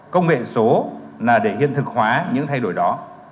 công nghệ số là để hiện thực hóa những thay đổi đó